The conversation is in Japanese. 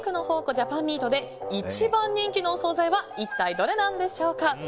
ジャパンミートで一番人気のお総菜は一体どれなんでしょうか。